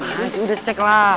mas udah cek lah